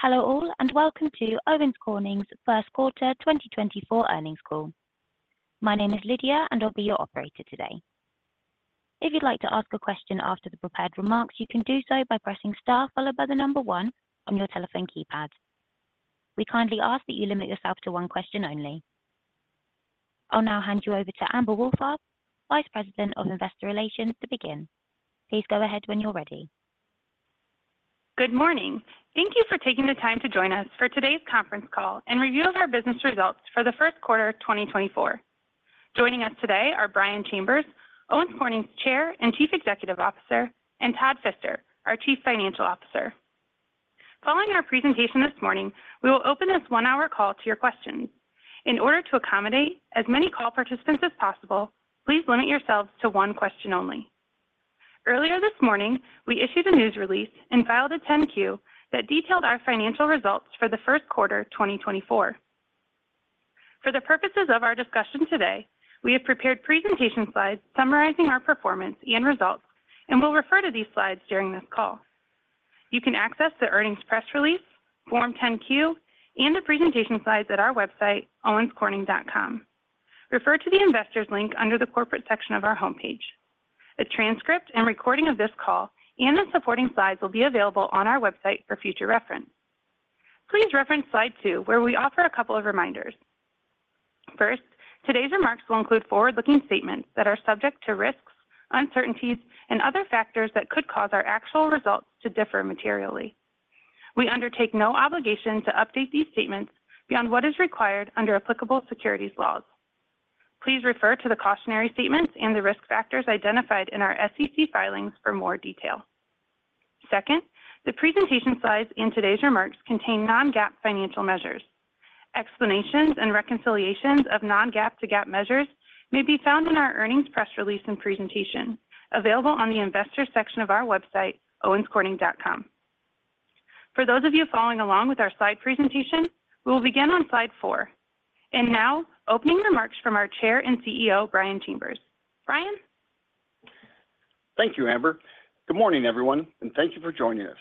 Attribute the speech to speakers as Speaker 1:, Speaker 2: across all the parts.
Speaker 1: Hello all and Welcome to Owens Corning's first quarter 2024 earnings call. My name is Lydia and I'll be your operator today. If you'd like to ask a question after the prepared remarks, you can do so by pressing star followed by the number one on your telephone keypad. We kindly ask that you limit yourself to one question only. I'll now hand you over to Amber Wohlfarth, Vice President of Investor Relations, to begin. Please go ahead when you're ready.
Speaker 2: Good morning. Thank you for taking the time to join us for today's conference call and review of our business results for the first quarter 2024. Joining us today are Brian Chambers, Owens Corning's Chair and Chief Executive Officer, and Todd Fister, our Chief Financial Officer. Following our presentation this morning, we will open this one-hour call to your questions. In order to accommodate as many call participants as possible, please limit yourselves to one question only. Earlier this morning, we issued a news release and filed a 10-Q that detailed our financial results for the first quarter 2024. For the purposes of our discussion today, we have prepared presentation slides summarizing our performance and results, and we'll refer to these slides during this call. You can access the earnings press release, Form 10-Q, and the presentation slides at our website, owenscorning.com. Refer to the investors link under the corporate section of our homepage. A transcript and recording of this call and the supporting slides will be available on our website for future reference. Please reference slide two, where we offer a couple of reminders. First, today's remarks will include forward-looking statements that are subject to risks, uncertainties, and other factors that could cause our actual results to differ materially. We undertake no obligation to update these statements beyond what is required under applicable securities laws. Please refer to the cautionary statements and the risk factors identified in our SEC filings for more detail. Second, the presentation slides and today's remarks contain non-GAAP financial measures. Explanations and reconciliations of non-GAAP to GAAP measures may be found in our earnings press release and presentation, available on the investors section of our website, owenscorning.com. For those of you following along with our slide presentation, we will begin on slide four. Now, opening remarks from our Chair and CEO, Brian Chambers. Brian?
Speaker 3: Thank you, Amber. Good morning, everyone, and thank you for joining us.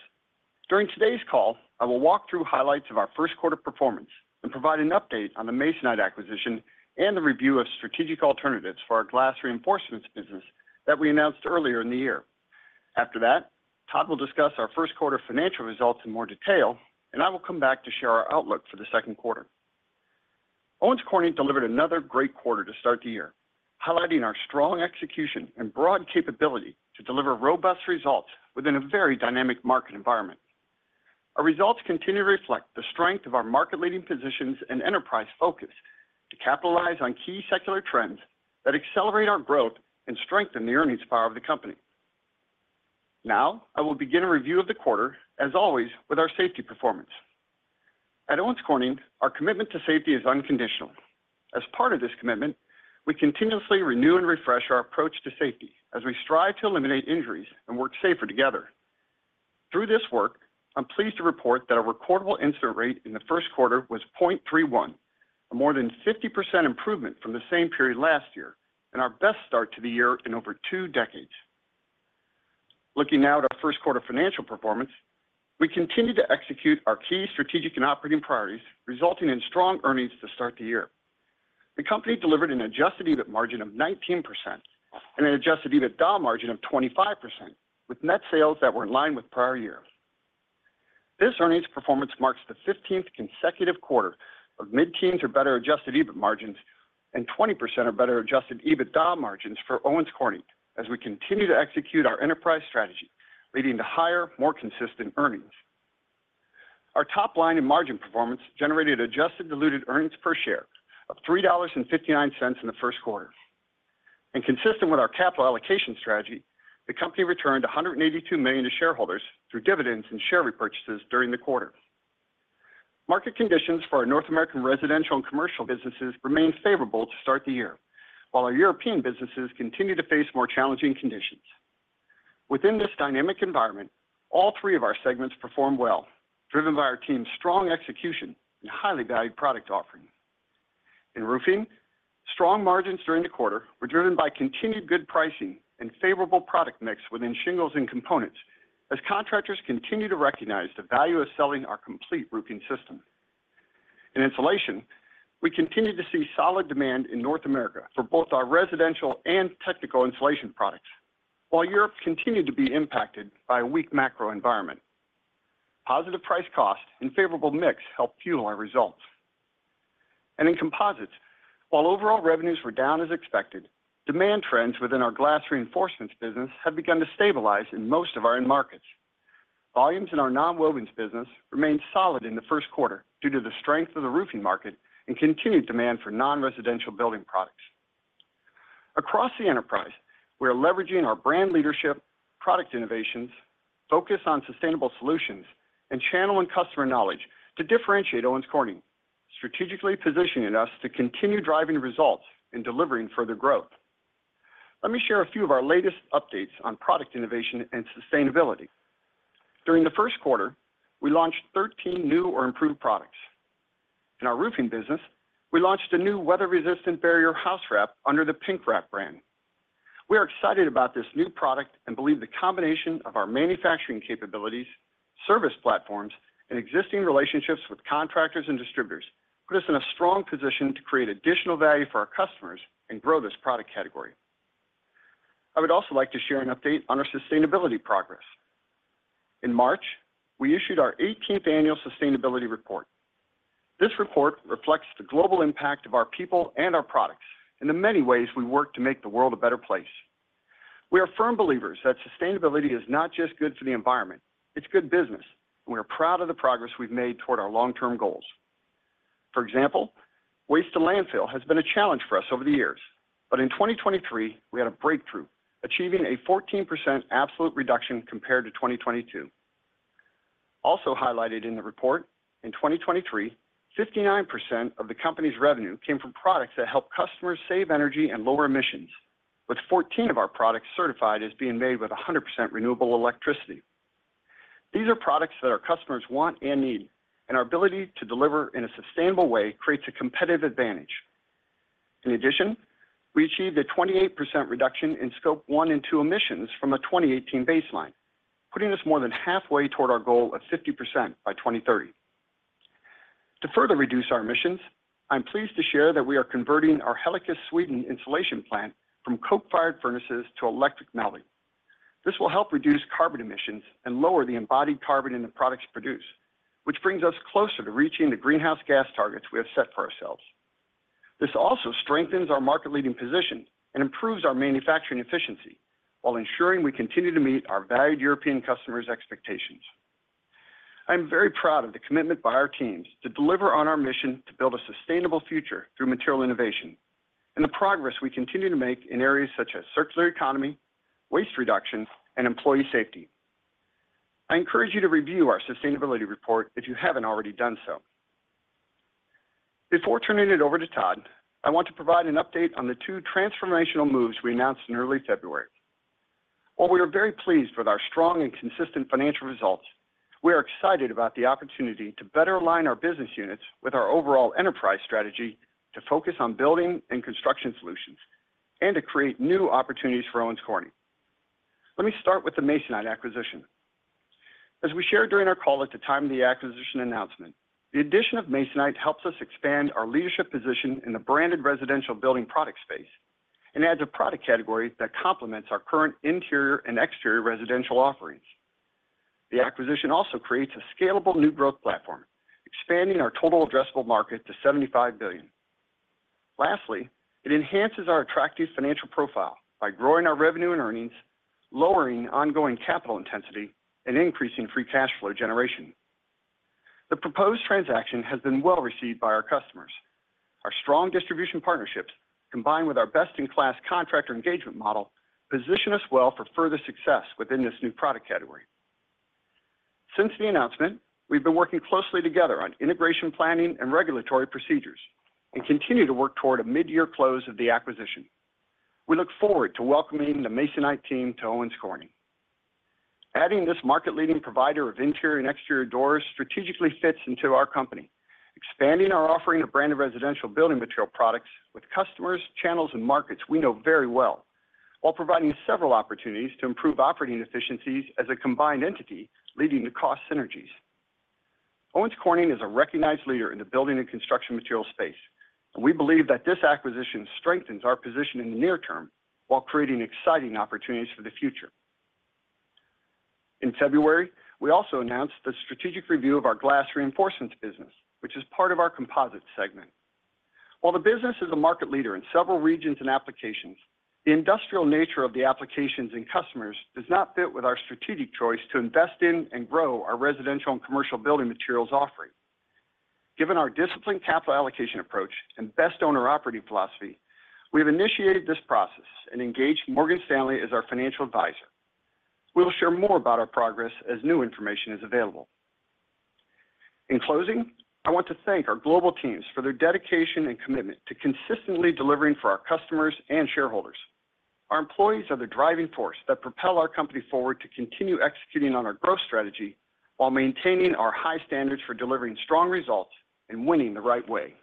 Speaker 3: During today's call, I will walk through highlights of our first quarter performance and provide an update on the Masonite acquisition and the review of strategic alternatives for our glass reinforcements business that we announced earlier in the year. After that, Todd will discuss our first quarter financial results in more detail, and I will come back to share our outlook for the second quarter. Owens Corning delivered another great quarter to start the year, highlighting our strong execution and broad capability to deliver robust results within a very dynamic market environment. Our results continue to reflect the strength of our market-leading positions and enterprise focus to capitalize on key secular trends that accelerate our growth and strengthen the earnings power of the company. Now, I will begin a review of the quarter, as always, with our safety performance. At Owens Corning, our commitment to safety is unconditional. As part of this commitment, we continuously renew and refresh our approach to safety as we strive to eliminate injuries and work safer together. Through this work, I'm pleased to report that our recordable incident rate in the first quarter was 0.31, a more than 50% improvement from the same period last year and our best start to the year in over two decades. Looking now at our first quarter financial performance, we continue to execute our key strategic and operating priorities, resulting in strong earnings to start the year. The company delivered an Adjusted EBIT margin of 19% and an Adjusted EBITDA margin of 25%, with net sales that were in line with prior years. This earnings performance marks the 15th consecutive quarter of mid-teens or better Adjusted EBIT margins and 20% or better Adjusted EBITDA margins for Owens Corning, as we continue to execute our enterprise strategy, leading to higher, more consistent earnings. Our top line in margin performance generated adjusted diluted earnings per share of $3.59 in the first quarter. Consistent with our capital allocation strategy, the company returned $182 million to shareholders through dividends and share repurchases during the quarter. Market conditions for our North American residential and commercial businesses remain favorable to start the year, while our European businesses continue to face more challenging conditions. Within this dynamic environment, all three of our segments perform well, driven by our team's strong execution and highly valued product offering. In roofing, strong margins during the quarter were driven by continued good pricing and favorable product mix within shingles and components as contractors continue to recognize the value of selling our complete roofing system. In insulation, we continue to see solid demand in North America for both our residential and technical insulation products, while Europe continued to be impacted by a weak macro environment. Positive price cost and favorable mix helped fuel our results. And in composites, while overall revenues were down as expected, demand trends within our glass reinforcements business have begun to stabilize in most of our end markets. Volumes in our non-wovens business remained solid in the first quarter due to the strength of the roofing market and continued demand for non-residential building products. Across the enterprise, we are leveraging our brand leadership, product innovations, focus on sustainable solutions, and channel and customer knowledge to differentiate Owens Corning, strategically positioning us to continue driving results and delivering further growth. Let me share a few of our latest updates on product innovation and sustainability. During the first quarter, we launched 13 new or improved products. In our roofing business, we launched a new weather-resistant barrier house wrap under the PINKWRAP brand. We are excited about this new product and believe the combination of our manufacturing capabilities, service platforms, and existing relationships with contractors and distributors put us in a strong position to create additional value for our customers and grow this product category. I would also like to share an update on our sustainability progress. In March, we issued our 18th annual sustainability report. This report reflects the global impact of our people and our products and the many ways we work to make the world a better place. We are firm believers that sustainability is not just good for the environment, it's good business, and we are proud of the progress we've made toward our long-term goals. For example, waste to landfill has been a challenge for us over the years, but in 2023, we had a breakthrough, achieving a 14% absolute reduction compared to 2022. Also highlighted in the report, in 2023, 59% of the company's revenue came from products that help customers save energy and lower emissions, with 14 of our products certified as being made with 100% renewable electricity. These are products that our customers want and need, and our ability to deliver in a sustainable way creates a competitive advantage. In addition, we achieved a 28% reduction in Scope 1 and 2 emissions from a 2018 baseline, putting us more than halfway toward our goal of 50% by 2030. To further reduce our emissions, I'm pleased to share that we are converting our Hällekis, Sweden insulation plant from coke-fired furnaces to electric melting. This will help reduce carbon emissions and lower the embodied carbon in the products produced, which brings us closer to reaching the greenhouse gas targets we have set for ourselves. This also strengthens our market-leading position and improves our manufacturing efficiency while ensuring we continue to meet our valued European customers' expectations. I am very proud of the commitment by our teams to deliver on our mission to build a sustainable future through material innovation and the progress we continue to make in areas such as circular economy, waste reduction, and employee safety. I encourage you to review our sustainability report if you haven't already done so. Before turning it over to Todd, I want to provide an update on the two transformational moves we announced in early February. While we are very pleased with our strong and consistent financial results, we are excited about the opportunity to better align our business units with our overall enterprise strategy to focus on building and construction solutions and to create new opportunities for Owens Corning. Let me start with the Masonite acquisition. As we shared during our call at the time of the acquisition announcement, the addition of Masonite helps us expand our leadership position in the branded residential building product space and adds a product category that complements our current interior and exterior residential offerings. The acquisition also creates a scalable new growth platform, expanding our total addressable market to $75 billion. Lastly, it enhances our attractive financial profile by growing our revenue and earnings, lowering ongoing capital intensity, and increasing free cash flow generation. The proposed transaction has been well received by our customers. Our strong distribution partnerships, combined with our best-in-class contractor engagement model, position us well for further success within this new product category. Since the announcement, we've been working closely together on integration planning and regulatory procedures and continue to work toward a mid-year close of the acquisition. We look forward to welcoming the Masonite team to Owens Corning. Adding this market-leading provider of interior and exterior doors strategically fits into our company, expanding our offering of branded residential building material products with customers, channels, and markets we know very well, while providing several opportunities to improve operating efficiencies as a combined entity leading to cost synergies. Owens Corning is a recognized leader in the building and construction material space, and we believe that this acquisition strengthens our position in the near term while creating exciting opportunities for the future. In February, we also announced the strategic review of our glass reinforcements business, which is part of our composite segment. While the business is a market leader in several regions and applications, the industrial nature of the applications and customers does not fit with our strategic choice to invest in and grow our residential and commercial building materials offering. Given our disciplined capital allocation approach and best owner operating philosophy, we have initiated this process and engaged Morgan Stanley as our financial advisor. We will share more about our progress as new information is available. In closing, I want to thank our global teams for their dedication and commitment to consistently delivering for our customers and shareholders. Our employees are the driving force that propel our company forward to continue executing on our growth strategy while maintaining our high standards for delivering strong results and winning the right way.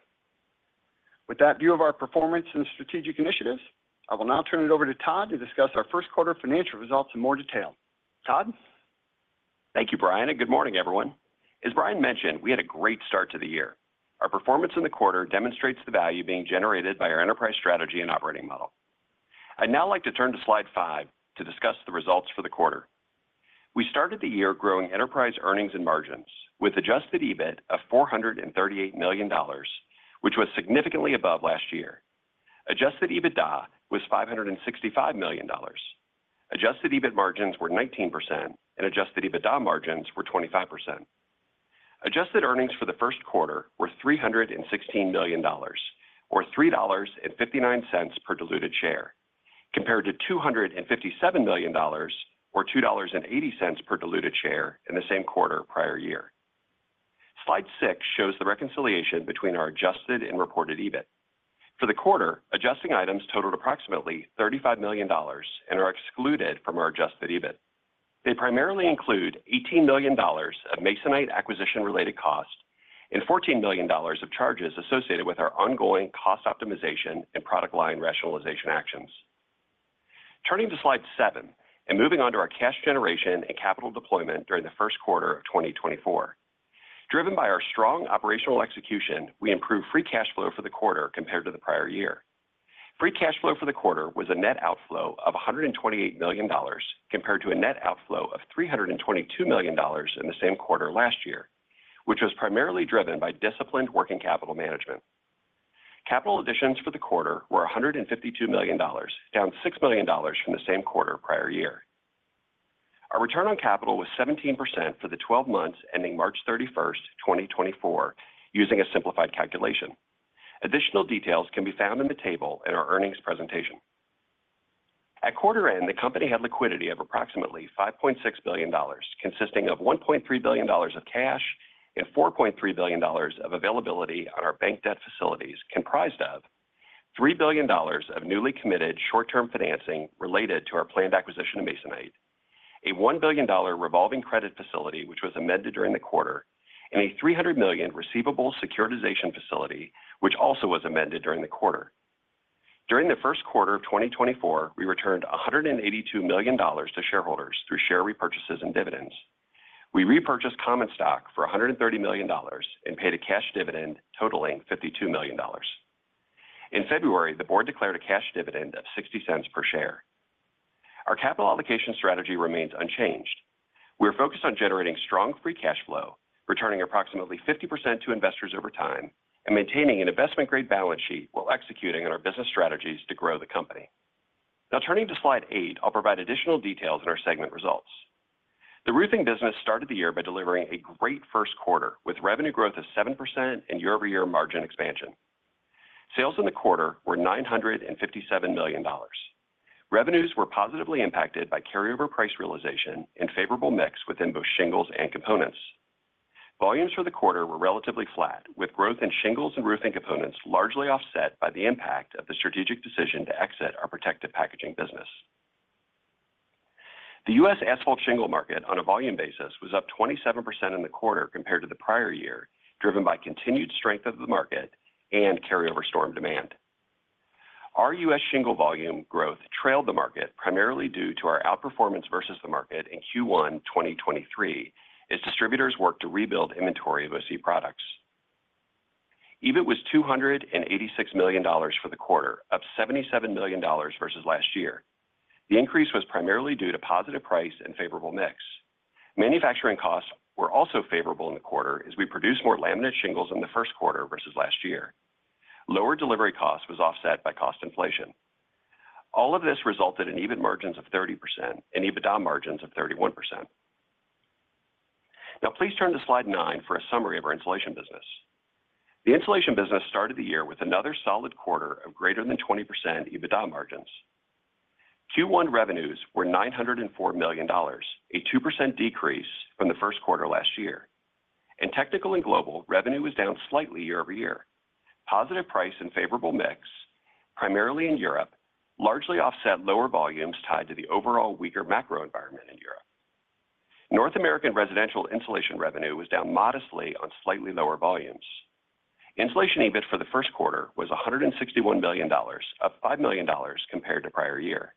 Speaker 3: With that view of our performance and strategic initiatives, I will now turn it over to Todd to discuss our first quarter financial results in more detail. Todd?
Speaker 4: Thank you, Brian, and good morning, everyone. As Brian mentioned, we had a great start to the year. Our performance in the quarter demonstrates the value being generated by our enterprise strategy and operating model. I'd now like to turn to slide five to discuss the results for the quarter. We started the year growing enterprise earnings and margins with Adjusted EBIT of $438 million, which was significantly above last year. Adjusted EBITDA was $565 million. Adjusted EBIT margins were 19%, and Adjusted EBITDA margins were 25%. Adjusted earnings for the first quarter were $316 million, or $3.59 per diluted share, compared to $257 million, or $2.80 per diluted share in the same quarter prior year. Slide six shows the reconciliation between our adjusted and reported EBIT. For the quarter, adjusting items totaled approximately $35 million and are excluded from our Adjusted EBIT. They primarily include $18 million of Masonite acquisition-related cost and $14 million of charges associated with our ongoing cost optimization and product line rationalization actions. Turning to slide seven and moving on to our cash generation and capital deployment during the first quarter of 2024. Driven by our strong operational execution, we improved free cash flow for the quarter compared to the prior year. Free cash flow for the quarter was a net outflow of $128 million compared to a net outflow of $322 million in the same quarter last year, which was primarily driven by disciplined working capital management. Capital additions for the quarter were $152 million, down $6 million from the same quarter prior year. Our return on capital was 17% for the 12 months ending March 31st, 2024, using a simplified calculation. Additional details can be found in the table in our earnings presentation. At quarter end, the company had liquidity of approximately $5.6 billion, consisting of $1.3 billion of cash and $4.3 billion of availability on our bank debt facilities, comprised of $3 billion of newly committed short-term financing related to our planned acquisition of Masonite, a $1 billion revolving credit facility which was amended during the quarter, and a $300 million receivable securitization facility which also was amended during the quarter. During the first quarter of 2024, we returned $182 million to shareholders through share repurchases and dividends. We repurchased common stock for $130 million and paid a cash dividend totaling $52 million. In February, the board declared a cash dividend of $0.60 per share. Our capital allocation strategy remains unchanged. We are focused on generating strong free cash flow, returning approximately 50% to investors over time, and maintaining an investment-grade balance sheet while executing on our business strategies to grow the company. Now, turning to slide 8, I'll provide additional details in our segment results. The roofing business started the year by delivering a great first quarter with revenue growth of 7% and year-over-year margin expansion. Sales in the quarter were $957 million. Revenues were positively impacted by carryover price realization and favorable mix within both shingles and components. Volumes for the quarter were relatively flat, with growth in shingles and roofing components largely offset by the impact of the strategic decision to exit our protective packaging business. The U.S. asphalt shingle market on a volume basis was up 27% in the quarter compared to the prior year, driven by continued strength of the market and carryover storm demand. Our U.S. shingle volume growth trailed the market primarily due to our outperformance versus the market in Q1 2023 as distributors worked to rebuild inventory of OC products. EBIT was $286 million for the quarter, up $77 million versus last year. The increase was primarily due to positive price and favorable mix. Manufacturing costs were also favorable in the quarter as we produced more laminate shingles in the first quarter versus last year. Lower delivery costs was offset by cost inflation. All of this resulted in EBIT margins of 30% and EBITDA margins of 31%. Now, please turn to slide nine for a summary of our insulation business. The insulation business started the year with another solid quarter of greater than 20% EBITDA margins. Q1 revenues were $904 million, a 2% decrease from the first quarter last year. Technical and Global revenue was down slightly year-over-year. Positive price and favorable mix, primarily in Europe, largely offset lower volumes tied to the overall weaker macro environment in Europe. North American residential insulation revenue was down modestly on slightly lower volumes. Insulation EBIT for the first quarter was $161 million, up $5 million compared to prior year.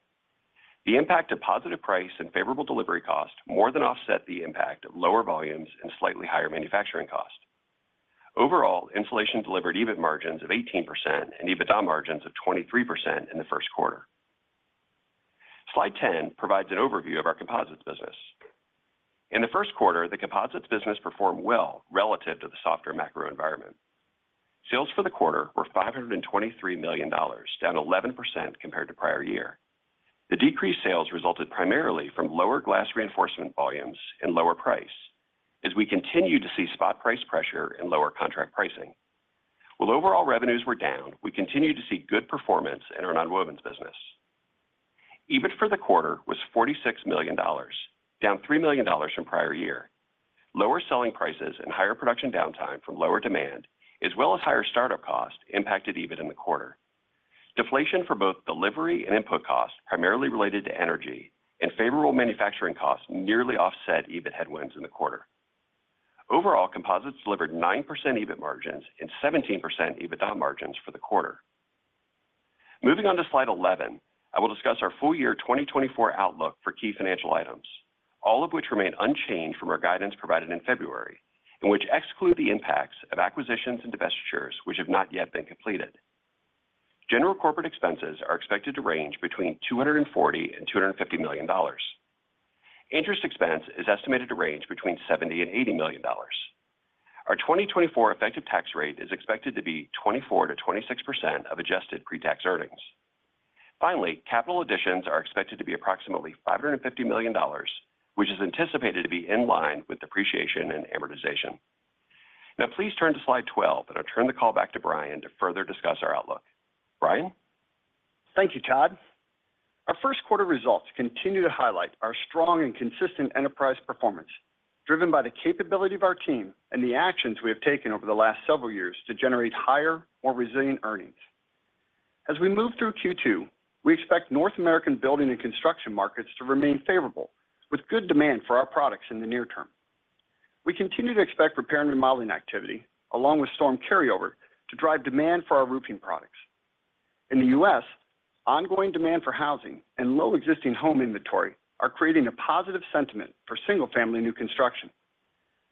Speaker 4: The impact of positive price and favorable delivery cost more than offset the impact of lower volumes and slightly higher manufacturing cost. Overall, insulation delivered EBIT margins of 18% and EBITDA margins of 23% in the first quarter. Slide 10 provides an overview of our composites business. In the first quarter, the composites business performed well relative to the softer macro environment. Sales for the quarter were $523 million, down 11% compared to prior year. The decreased sales resulted primarily from lower glass reinforcement volumes and lower price as we continue to see spot price pressure and lower contract pricing. While overall revenues were down, we continue to see good performance in our non-wovens business. EBIT for the quarter was $46 million, down $3 million from prior year. Lower selling prices and higher production downtime from lower demand, as well as higher startup cost, impacted EBIT in the quarter. Deflation for both delivery and input costs, primarily related to energy, and favorable manufacturing costs nearly offset EBIT headwinds in the quarter. Overall, composites delivered 9% EBIT margins and 17% EBITDA margins for the quarter. Moving on to slide 11, I will discuss our full year 2024 outlook for key financial items, all of which remain unchanged from our guidance provided in February and which exclude the impacts of acquisitions and divestitures which have not yet been completed. General corporate expenses are expected to range between $240 million-$250 million. Interest expense is estimated to range between $70 million-$80 million. Our 2024 effective tax rate is expected to be 24%-26% of adjusted pre-tax earnings. Finally, capital additions are expected to be approximately $550 million, which is anticipated to be in line with depreciation and amortization. Now, please turn to slide 12, and I'll turn the call back to Brian to further discuss our outlook. Brian?
Speaker 3: Thank you, Todd. Our first quarter results continue to highlight our strong and consistent enterprise performance, driven by the capability of our team and the actions we have taken over the last several years to generate higher, more resilient earnings. As we move through Q2, we expect North American building and construction markets to remain favorable, with good demand for our products in the near term. We continue to expect repair and remodeling activity, along with storm carryover, to drive demand for our roofing products. In the U.S., ongoing demand for housing and low existing home inventory are creating a positive sentiment for single-family new construction.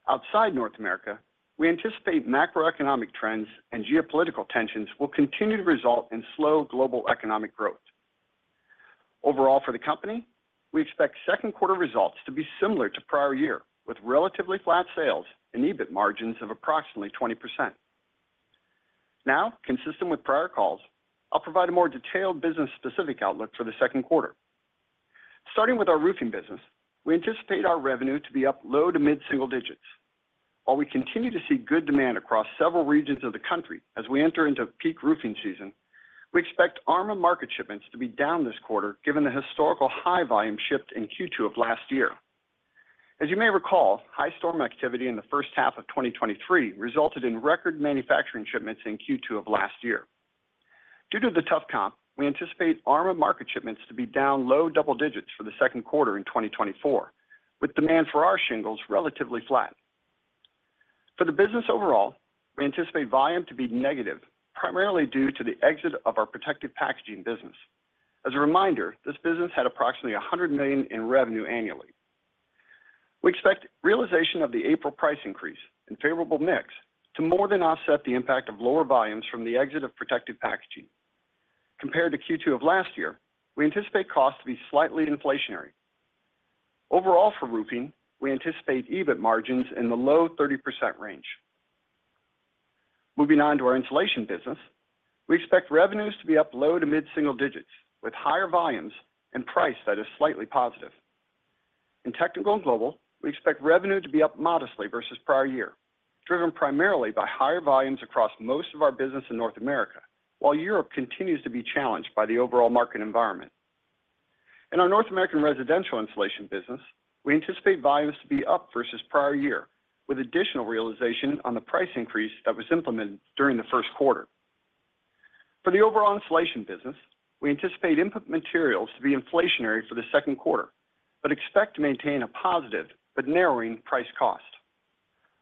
Speaker 3: Outside North America, we anticipate macroeconomic trends and geopolitical tensions will continue to result in slow global economic growth. Overall, for the company, we expect second quarter results to be similar to prior year, with relatively flat sales and EBIT margins of approximately 20%. Now, consistent with prior calls, I'll provide a more detailed business-specific outlook for the second quarter. Starting with our roofing business, we anticipate our revenue to be up low to mid-single-digits. While we continue to see good demand across several regions of the country as we enter into peak roofing season, we expect ARMA market shipments to be down this quarter given the historical high volume shift in Q2 of last year. As you may recall, high storm activity in the first half of 2023 resulted in record manufacturing shipments in Q2 of last year. Due to the tough comp, we anticipate ARMA market shipments to be down low double-digits for the second quarter in 2024, with demand for our shingles relatively flat. For the business overall, we anticipate volume to be negative, primarily due to the exit of our protective packaging business. As a reminder, this business had approximately $100 million in revenue annually. We expect realization of the April price increase and favorable mix to more than offset the impact of lower volumes from the exit of protective packaging. Compared to Q2 of last year, we anticipate costs to be slightly inflationary. Overall, for roofing, we anticipate EBIT margins in the low 30% range. Moving on to our insulation business, we expect revenues to be up low to mid-single-digits, with higher volumes and price that is slightly positive. In Technical and Global, we expect revenue to be up modestly versus prior year, driven primarily by higher volumes across most of our business in North America while Europe continues to be challenged by the overall market environment. In our North American residential insulation business, we anticipate volumes to be up versus prior year, with additional realization on the price increase that was implemented during the first quarter. For the overall insulation business, we anticipate input materials to be inflationary for the second quarter but expect to maintain a positive but narrowing price cost.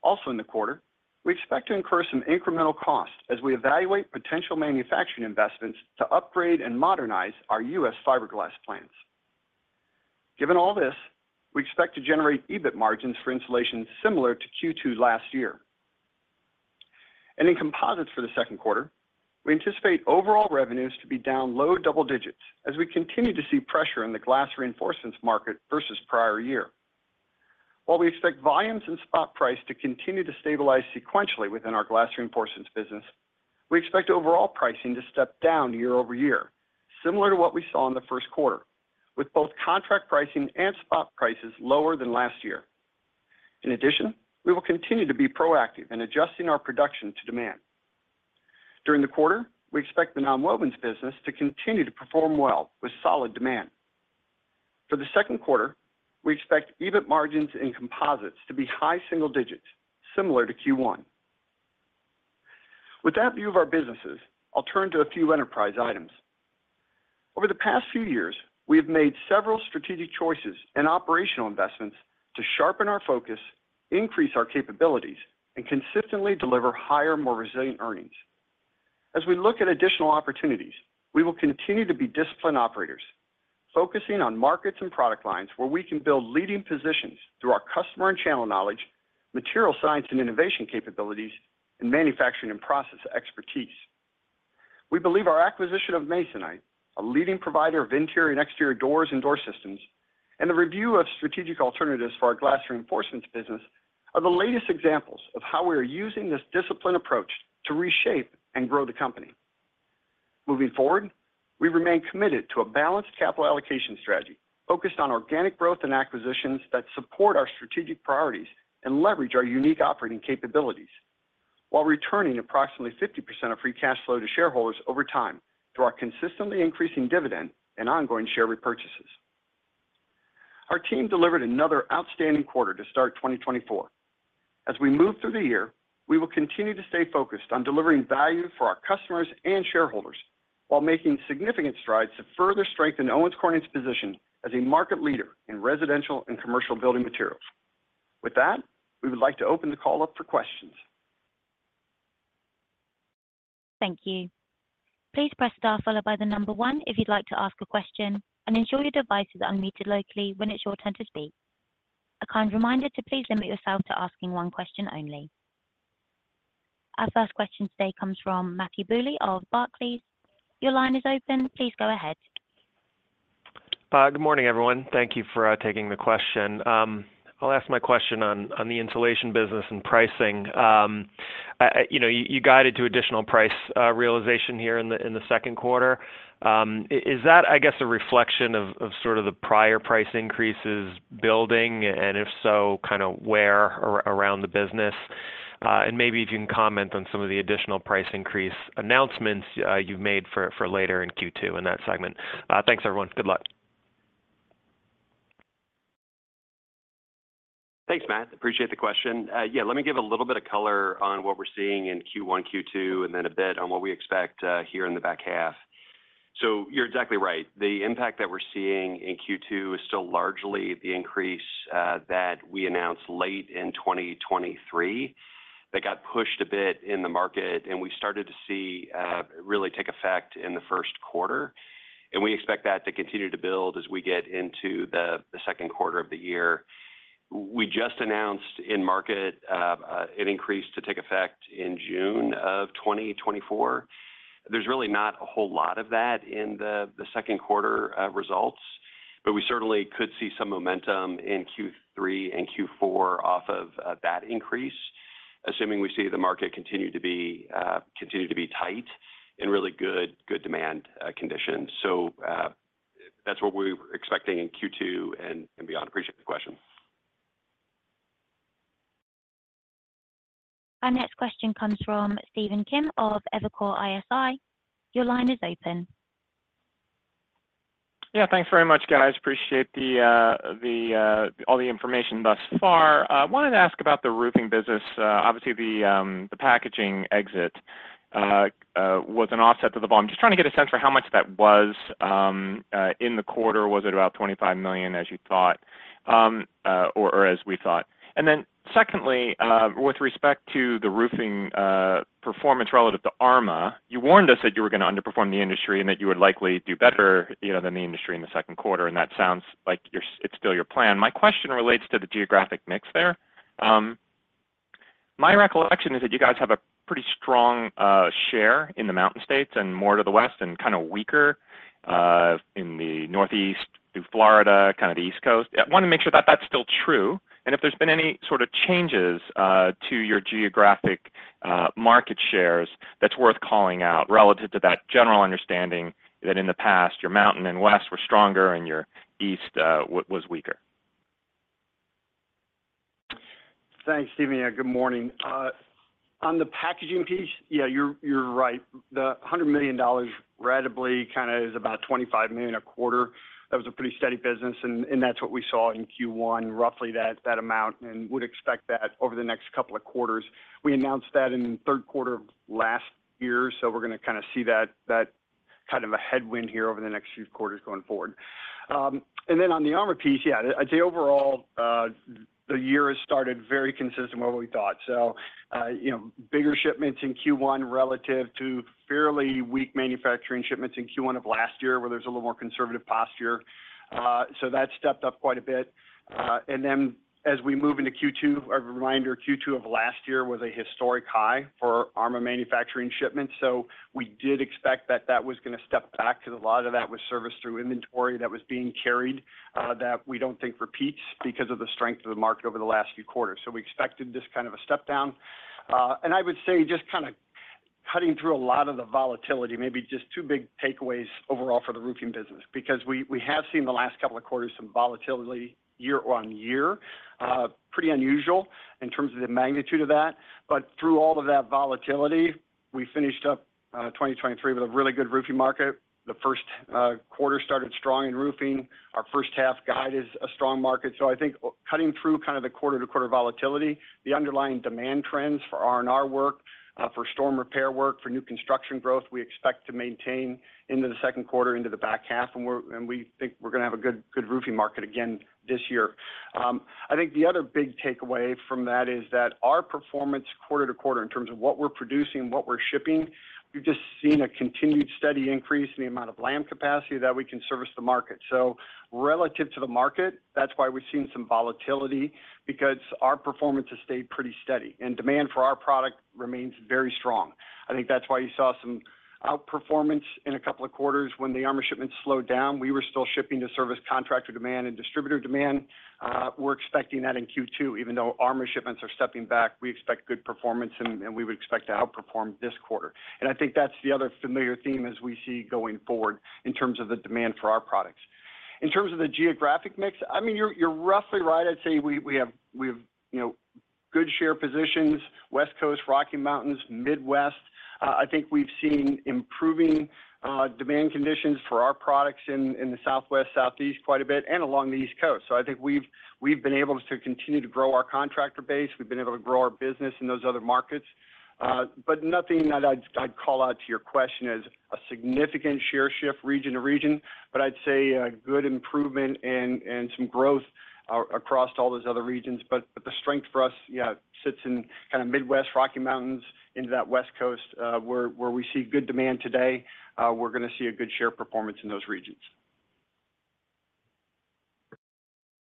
Speaker 3: Also in the quarter, we expect to incur some incremental costs as we evaluate potential manufacturing investments to upgrade and modernize our U.S. fiberglass plants. Given all this, we expect to generate EBIT margins for insulation similar to Q2 last year. In composites for the second quarter, we anticipate overall revenues to be down low double-digits as we continue to see pressure in the glass reinforcements market versus prior year. While we expect volumes and spot price to continue to stabilize sequentially within our glass reinforcements business, we expect overall pricing to step down year-over-year, similar to what we saw in the first quarter, with both contract pricing and spot prices lower than last year. In addition, we will continue to be proactive in adjusting our production to demand. During the quarter, we expect the non-wovens business to continue to perform well with solid demand. For the second quarter, we expect EBIT margins in composites to be high single-digits, similar to Q1. With that view of our businesses, I'll turn to a few enterprise items. Over the past few years, we have made several strategic choices and operational investments to sharpen our focus, increase our capabilities, and consistently deliver higher, more resilient earnings. As we look at additional opportunities, we will continue to be disciplined operators, focusing on markets and product lines where we can build leading positions through our customer and channel knowledge, material science and innovation capabilities, and manufacturing and process expertise. We believe our acquisition of Masonite, a leading provider of interior and exterior doors and door systems, and the review of strategic alternatives for our glass reinforcements business are the latest examples of how we are using this disciplined approach to reshape and grow the company. Moving forward, we remain committed to a balanced capital allocation strategy focused on organic growth and acquisitions that support our strategic priorities and leverage our unique operating capabilities, while returning approximately 50% of free cash flow to shareholders over time through our consistently increasing dividend and ongoing share repurchases. Our team delivered another outstanding quarter to start 2024. As we move through the year, we will continue to stay focused on delivering value for our customers and shareholders while making significant strides to further strengthen Owens Corning's position as a market leader in residential and commercial building materials. With that, we would like to open the call up for questions.
Speaker 1: Thank you. Please press star followed by the number one if you'd like to ask a question, and ensure your device is unmuted locally when it's your turn to speak. A kind reminder to please limit yourself to asking one question only. Our first question today comes from Matthew Bouley of Barclays. Your line is open. Please go ahead.
Speaker 5: Good morning, everyone. Thank you for taking the question. I'll ask my question on the insulation business and pricing. You guided to additional price realization here in the second quarter. Is that, I guess, a reflection of sort of the prior price increases building, and if so, kind of where around the business? And maybe if you can comment on some of the additional price increase announcements you've made for later in Q2 in that segment? Thanks, everyone. Good luck.
Speaker 4: Thanks, Matt. Appreciate the question. Yeah, let me give a little bit of color on what we're seeing in Q1, Q2, and then a bit on what we expect here in the back half. So you're exactly right. The impact that we're seeing in Q2 is still largely the increase that we announced late in 2023 that got pushed a bit in the market, and we started to see it really take effect in the first quarter. And we expect that to continue to build as we get into the second quarter of the year. We just announced in market an increase to take effect in June of 2024. There's really not a whole lot of that in the second quarter results, but we certainly could see some momentum in Q3 and Q4 off of that increase, assuming we see the market continue to be tight in really good demand conditions. So that's what we're expecting in Q2 and beyond. Appreciate the question.
Speaker 1: Our next question comes from Stephen Kim of Evercore ISI. Your line is open.
Speaker 6: Yeah, thanks very much, guys. Appreciate all the information thus far. Wanted to ask about the roofing business. Obviously, the packaging exit was an offset to the volume. Just trying to get a sense for how much that was in the quarter. Was it about $25 million as you thought or as we thought? And then secondly, with respect to the roofing performance relative to ARMA, you warned us that you were going to underperform the industry and that you would likely do better than the industry in the second quarter, and that sounds like it's still your plan. My question relates to the geographic mix there. My recollection is that you guys have a pretty strong share in the mountain states and more to the west and kind of weaker in the northeast through Florida, kind of the East Coast. I want to make sure that that's still true. If there's been any sort of changes to your geographic market shares, that's worth calling out relative to that general understanding that in the past, your mountain and west were stronger and your east was weaker?
Speaker 3: Thanks, Stephen here. Good morning. On the packaging piece, yeah, you're right. The $100 million run rate kind of is about $25 million a quarter. That was a pretty steady business, and that's what we saw in Q1, roughly that amount, and would expect that over the next couple of quarters. We announced that in the third quarter of last year, so we're going to kind of see that kind of a headwind here over the next few quarters going forward. And then on the ARMA piece, yeah, I'd say overall, the year has started very consistent with what we thought. So bigger shipments in Q1 relative to fairly weak manufacturing shipments in Q1 of last year where there's a little more conservative posture. So that stepped up quite a bit. And then, as we move into Q2, a reminder: Q2 of last year was a historic high for ARMA manufacturing shipments. So we did expect that that was going to step back because a lot of that was service through inventory that was being carried that we don't think repeats because of the strength of the market over the last few quarters. So we expected this kind of a step down. And I would say, just kind of cutting through a lot of the volatility, maybe just two big takeaways overall for the roofing business because we have seen the last couple of quarters some volatility year-over-year, pretty unusual in terms of the magnitude of that. But through all of that volatility, we finished up 2023 with a really good roofing market. The first quarter started strong in roofing. Our first half guided a strong market. So I think cutting through kind of the quarter-to-quarter volatility, the underlying demand trends for R&R work, for storm repair work, for new construction growth, we expect to maintain into the second quarter, into the back half, and we think we're going to have a good roofing market again this year. I think the other big takeaway from that is that our performance quarter to quarter in terms of what we're producing, what we're shipping, we've just seen a continued steady increase in the amount of lam capacity that we can service the market. So relative to the market, that's why we've seen some volatility because our performance has stayed pretty steady, and demand for our product remains very strong. I think that's why you saw some outperformance in a couple of quarters. When the ARMA shipments slowed down, we were still shipping to service contractor demand and distributor demand. We're expecting that in Q2, even though ARMA shipments are stepping back, we expect good performance, and we would expect to outperform this quarter. And I think that's the other familiar theme as we see going forward in terms of the demand for our products. In terms of the geographic mix, I mean, you're roughly right. I'd say we have good share positions, West Coast, Rocky Mountains, Midwest. I think we've seen improving demand conditions for our products in the Southwest, Southeast quite a bit, and along the East Coast. So I think we've been able to continue to grow our contractor base. We've been able to grow our business in those other markets. But nothing that I'd call out to your question is a significant share shift region to region, but I'd say a good improvement and some growth across all those other regions. But the strength for us, yeah, sits in kind of Midwest, Rocky Mountains, into that West Coast where we see good demand today. We're going to see a good share performance in those regions.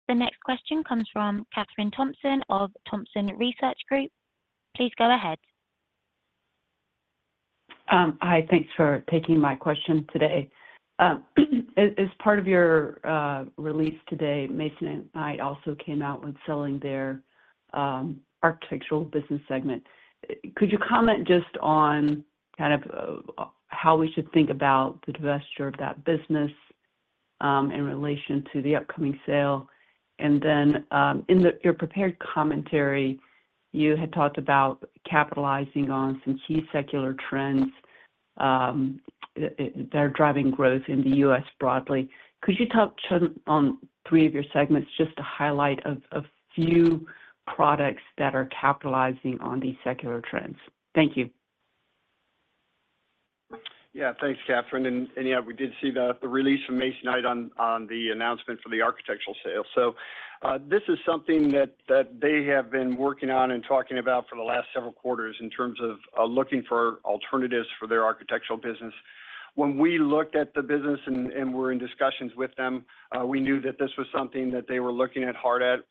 Speaker 1: The next question comes from Kathryn Thompson of Thompson Research Group. Please go ahead.
Speaker 7: Hi. Thanks for taking my question today. As part of your release today, Masonite also came out with selling their architectural business segment. Could you comment just on kind of how we should think about the divestiture of that business in relation to the upcoming sale? And then in your prepared commentary, you had talked about capitalizing on some key secular trends that are driving growth in the U.S. broadly. Could you touch on three of your segments just to highlight a few products that are capitalizing on these secular trends? Thank you.
Speaker 3: Yeah, thanks, Kathryn. Yeah, we did see the release from Masonite on the announcement for the architectural sale. This is something that they have been working on and talking about for the last several quarters in terms of looking for alternatives for their architectural business. When we looked at the business and were in discussions with them, we knew that this was something that they were looking hard at.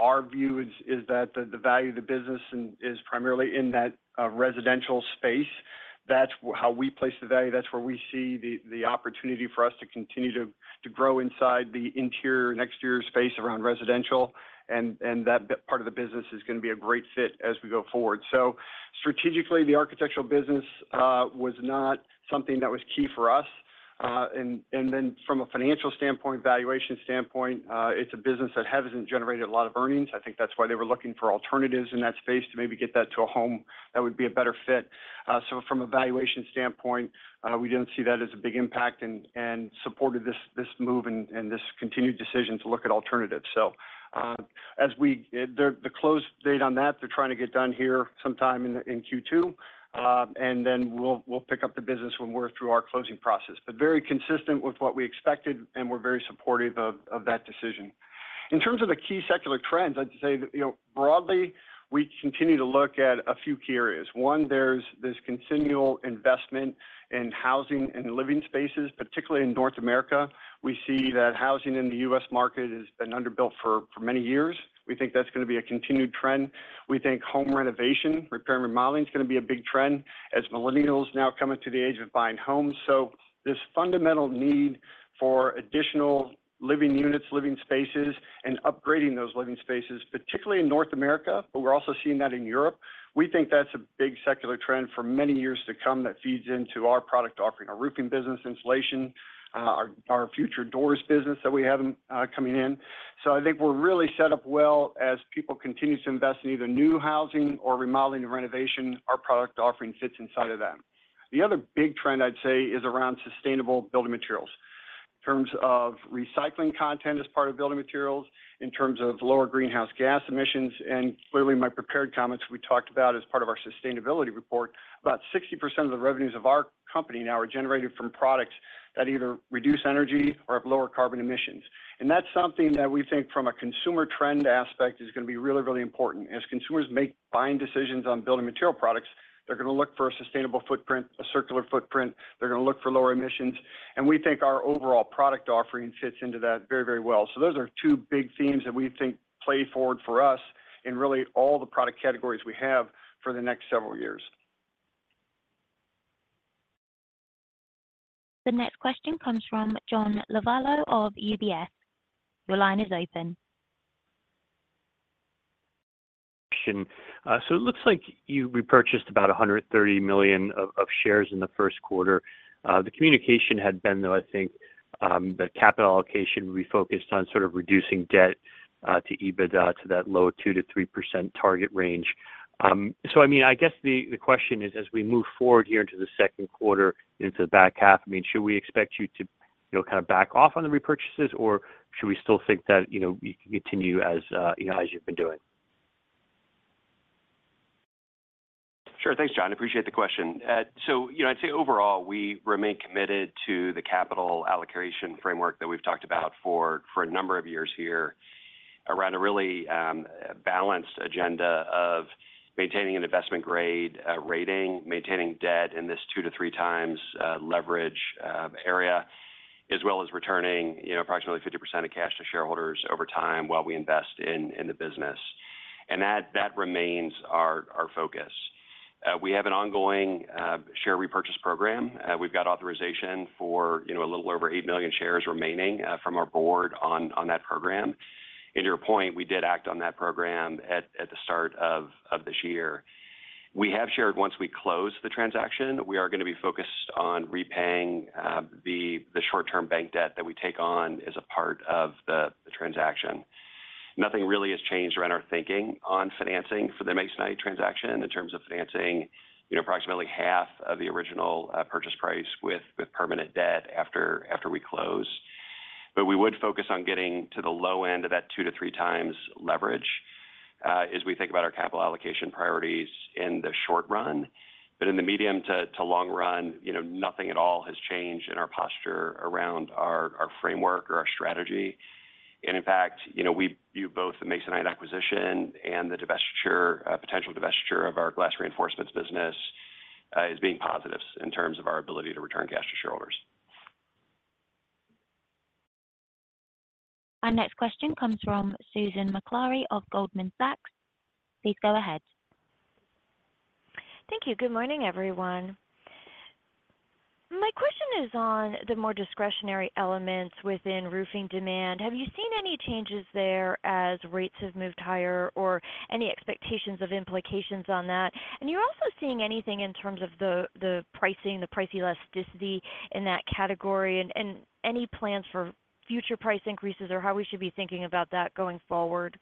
Speaker 3: Our view is that the value of the business is primarily in that residential space. That's how we place the value. That's where we see the opportunity for us to continue to grow inside the interior and exterior space around residential. And that part of the business is going to be a great fit as we go forward. So strategically, the architectural business was not something that was key for us. Then from a financial standpoint, valuation standpoint, it's a business that hasn't generated a lot of earnings. I think that's why they were looking for alternatives in that space to maybe get that to a home that would be a better fit. So from a valuation standpoint, we didn't see that as a big impact and supported this move and this continued decision to look at alternatives. So the close date on that, they're trying to get done here sometime in Q2, and then we'll pick up the business when we're through our closing process. But very consistent with what we expected, and we're very supportive of that decision. In terms of the key secular trends, I'd say broadly, we continue to look at a few key areas. One, there's this continual investment in housing and living spaces, particularly in North America. We see that housing in the U.S. market has been underbuilt for many years. We think that's going to be a continued trend. We think home renovation, repair and remodeling is going to be a big trend as millennials now coming to the age of buying homes. So this fundamental need for additional living units, living spaces, and upgrading those living spaces, particularly in North America, but we're also seeing that in Europe. We think that's a big secular trend for many years to come that feeds into our product offering, our roofing business, insulation, our future doors business that we have coming in. So I think we're really set up well as people continue to invest in either new housing or remodeling and renovation. Our product offering fits inside of that. The other big trend, I'd say, is around sustainable building materials. In terms of recycling content as part of building materials, in terms of lower greenhouse gas emissions, and clearly my prepared comments we talked about as part of our sustainability report, about 60% of the revenues of our company now are generated from products that either reduce energy or have lower carbon emissions. That's something that we think from a consumer trend aspect is going to be really, really important. As consumers make buying decisions on building material products, they're going to look for a sustainable footprint, a circular footprint. They're going to look for lower emissions. We think our overall product offering fits into that very, very well. Those are two big themes that we think play forward for us in really all the product categories we have for the next several years.
Speaker 1: The next question comes from John Lovallo of UBS. Your line is open.
Speaker 8: It looks like we purchased about 130 million shares in the first quarter. The communication had been, though, I think the capital allocation would be focused on sort of reducing debt to EBITDA to that low 2%-3% target range. So I mean, I guess the question is, as we move forward here into the second quarter, into the back half, I mean, should we expect you to kind of back off on the repurchases, or should we still think that you can continue as you've been doing?
Speaker 4: Sure. Thanks, John. Appreciate the question. So I'd say overall, we remain committed to the capital allocation framework that we've talked about for a number of years here around a really balanced agenda of maintaining an investment-grade rating, maintaining debt in this 2x-3x leverage area, as well as returning approximately 50% of cash to shareholders over time while we invest in the business. And that remains our focus. We have an ongoing share repurchase program. We've got authorization for a little over 8 million shares remaining from our board on that program. And to your point, we did act on that program at the start of this year. We have shared once we close the transaction. We are going to be focused on repaying the short-term bank debt that we take on as a part of the transaction. Nothing really has changed around our thinking on financing for the Masonite transaction in terms of financing approximately 1/2 of the original purchase price with permanent debt after we close. But we would focus on getting to the low end of that 2x-3x leverage as we think about our capital allocation priorities in the short run. But in the medium to long run, nothing at all has changed in our posture around our framework or our strategy. And in fact, both the Masonite acquisition and the potential divestiture of our glass reinforcements business is being positives in terms of our ability to return cash to shareholders.
Speaker 1: Our next question comes from Susan Maklari of Goldman Sachs. Please go ahead.
Speaker 9: Thank you. Good morning, everyone. My question is on the more discretionary elements within roofing demand. Have you seen any changes there as rates have moved higher or any expectations of implications on that? And you're also seeing anything in terms of the pricing, the price elasticity in that category, and any plans for future price increases or how we should be thinking about that going forward?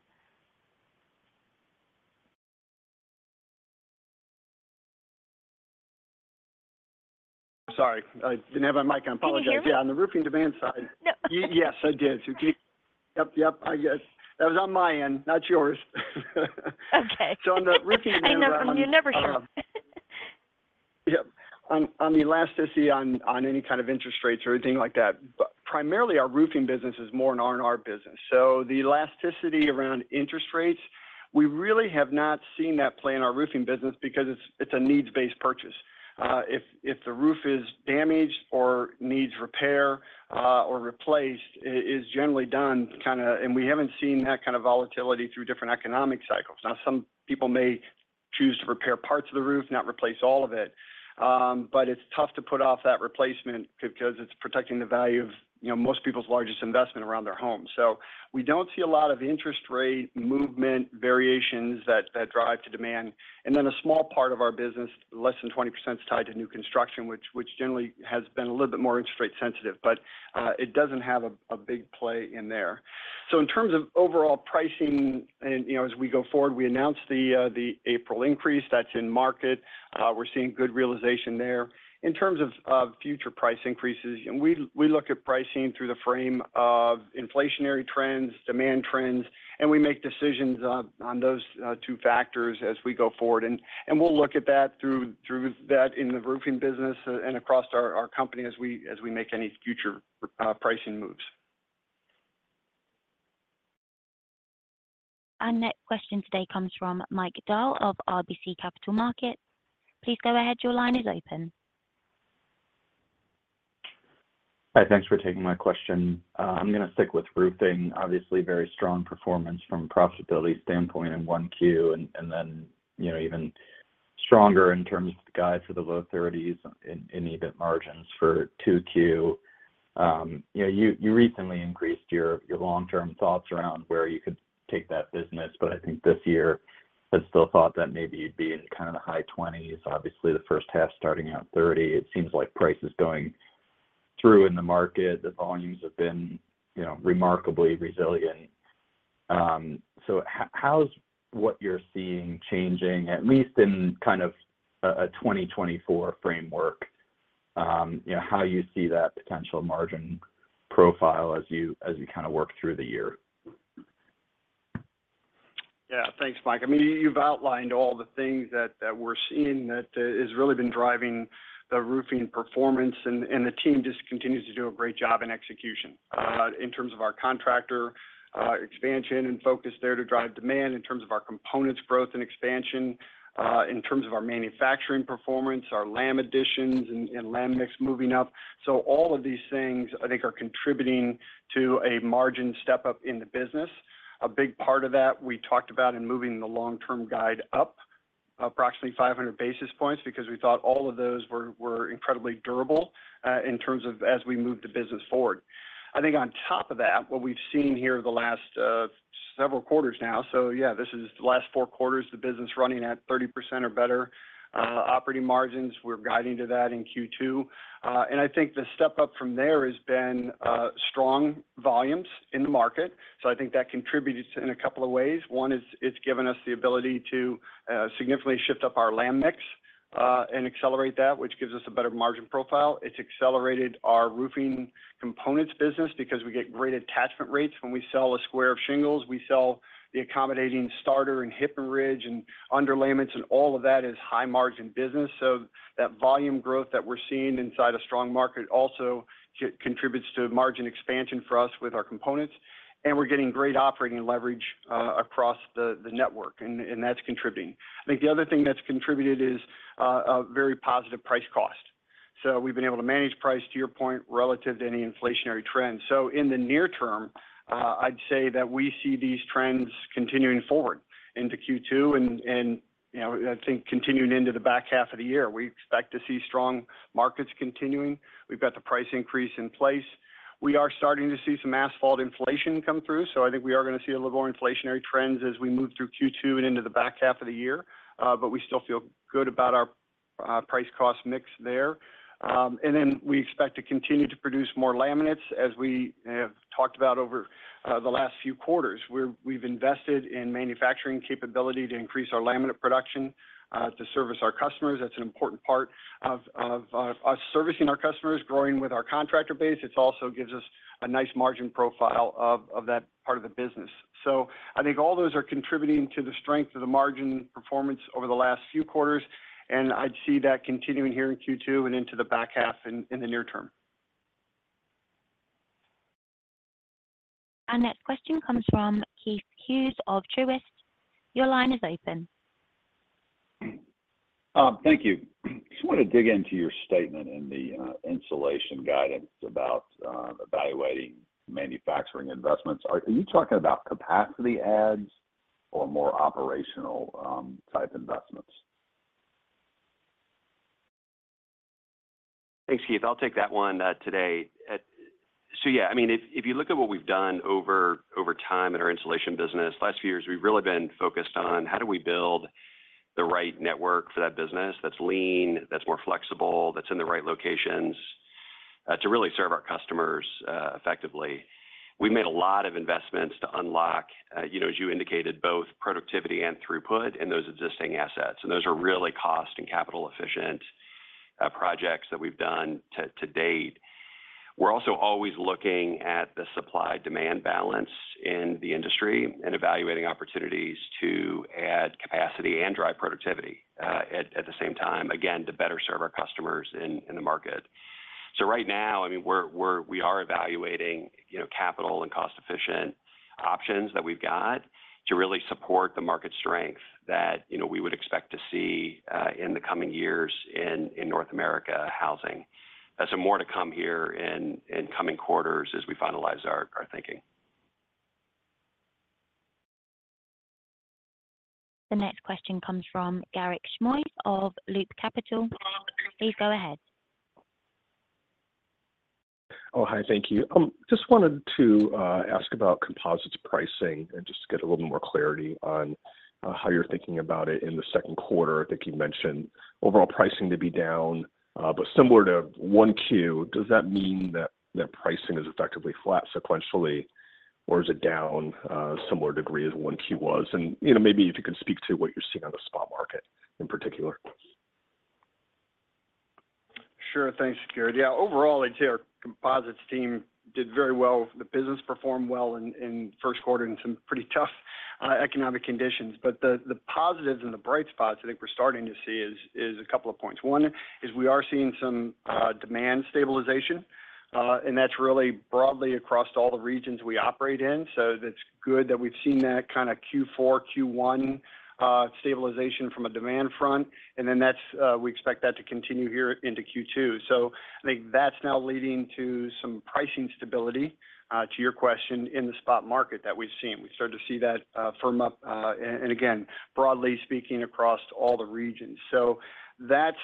Speaker 3: I'm sorry. I didn't have my mic. I apologize. Yeah, on the roofing demand side.
Speaker 9: No.
Speaker 3: Yes, I did. So can you? Yep, yep. That was on my end, not yours.
Speaker 9: Okay.
Speaker 3: On the roofing demand side.
Speaker 9: I know. You're never sure.
Speaker 3: Yep. On the elasticity on any kind of interest rates or anything like that. Primarily, our roofing business is more an R&R business. So the elasticity around interest rates, we really have not seen that play in our roofing business because it's a needs-based purchase. If the roof is damaged or needs repair or replaced, it is generally done kind of and we haven't seen that kind of volatility through different economic cycles. Now, some people may choose to repair parts of the roof, not replace all of it. But it's tough to put off that replacement because it's protecting the value of most people's largest investment around their homes. So we don't see a lot of interest rate movement variations that drive to demand. And then a small part of our business, less than 20%, is tied to new construction, which generally has been a little bit more interest rate sensitive, but it doesn't have a big play in there. So in terms of overall pricing, and as we go forward, we announced the April increase. That's in market. We're seeing good realization there. In terms of future price increases, we look at pricing through the frame of inflationary trends, demand trends, and we make decisions on those two factors as we go forward. And we'll look at that through that in the roofing business and across our company as we make any future pricing moves.
Speaker 1: Our next question today comes from Mike Dahl of RBC Capital Markets. Please go ahead. Your line is open.
Speaker 10: Hi. Thanks for taking my question. I'm going to stick with roofing, obviously very strong performance from a profitability standpoint in 1Q and then even stronger in terms of the guide for the low 30%s in EBIT margins for 2Q. You recently increased your long-term thoughts around where you could take that business, but I think this year has still thought that maybe you'd be in kind of the high 20%s. Obviously, the first half starting out 30%, it seems like price is going through in the market. The volumes have been remarkably resilient. So how's what you're seeing changing, at least in kind of a 2024 framework, how you see that potential margin profile as you kind of work through the year?
Speaker 3: Yeah. Thanks, Mike. I mean, you've outlined all the things that we're seeing that has really been driving the roofing performance, and the team just continues to do a great job in execution. In terms of our contractor expansion and focus there to drive demand, in terms of our components growth and expansion, in terms of our manufacturing performance, our lam additions and lam mix moving up. So all of these things, I think, are contributing to a margin step up in the business. A big part of that we talked about in moving the long-term guide up approximately 500 basis points because we thought all of those were incredibly durable in terms of as we move the business forward. I think on top of that, what we've seen here the last several quarters now, so yeah, this is the last four quarters, the business running at 30% or better operating margins. We're guiding to that in Q2. And I think the step up from there has been strong volumes in the market. So I think that contributed in a couple of ways. One, it's given us the ability to significantly shift up our lam mix and accelerate that, which gives us a better margin profile. It's accelerated our roofing components business because we get great attachment rates. When we sell a square of shingles, we sell the accommodating starter and hip and ridge and underlayments, and all of that is high-margin business. So that volume growth that we're seeing inside a strong market also contributes to margin expansion for us with our components. We're getting great operating leverage across the network, and that's contributing. I think the other thing that's contributed is a very positive price cost. We've been able to manage price, to your point, relative to any inflationary trend. In the near term, I'd say that we see these trends continuing forward into Q2 and I think continuing into the back half of the year. We expect to see strong markets continuing. We've got the price increase in place. We are starting to see some asphalt inflation come through. I think we are going to see a little more inflationary trends as we move through Q2 and into the back half of the year. But we still feel good about our price cost mix there. We expect to continue to produce more laminates as we have talked about over the last few quarters. We've invested in manufacturing capability to increase our laminate production to service our customers. That's an important part of us servicing our customers, growing with our contractor base. It also gives us a nice margin profile of that part of the business. So I think all those are contributing to the strength of the margin performance over the last few quarters. I'd see that continuing here in Q2 and into the back half in the near term.
Speaker 1: Our next question comes from Keith Hughes of Truist. Your line is open.
Speaker 11: Thank you. I just want to dig into your statement in the insulation guidance about evaluating manufacturing investments. Are you talking about capacity adds or more operational type investments?
Speaker 4: Thanks, Keith. I'll take that one today. So yeah, I mean, if you look at what we've done over time in our insulation business, last few years, we've really been focused on how do we build the right network for that business that's lean, that's more flexible, that's in the right locations to really serve our customers effectively. We've made a lot of investments to unlock, as you indicated, both productivity and throughput in those existing assets. And those are really cost and capital-efficient projects that we've done to date. We're also always looking at the supply-demand balance in the industry and evaluating opportunities to add capacity and drive productivity at the same time, again, to better serve our customers in the market. Right now, I mean, we are evaluating capital and cost-efficient options that we've got to really support the market strength that we would expect to see in the coming years in North America housing. More to come here in coming quarters as we finalize our thinking.
Speaker 1: The next question comes from Garik Shmois of Loop Capital. Please go ahead.
Speaker 12: Oh, hi. Thank you. Just wanted to ask about composite pricing and just get a little more clarity on how you're thinking about it in the second quarter. I think you mentioned overall pricing to be down, but similar to 1Q, does that mean that pricing is effectively flat sequentially, or is it down a similar degree as 1Q was? And maybe if you could speak to what you're seeing on the spot market in particular?
Speaker 3: Sure. Thanks, Garik. Yeah, overall, I'd say our composites team did very well. The business performed well in first quarter in some pretty tough economic conditions. But the positives and the bright spots, I think we're starting to see is a couple of points. One is we are seeing some demand stabilization, and that's really broadly across all the regions we operate in. So that's good that we've seen that kind of Q4, Q1 stabilization from a demand front. And then we expect that to continue here into Q2. So I think that's now leading to some pricing stability, to your question, in the spot market that we've seen. We started to see that firm up, and again, broadly speaking, across all the regions. So that's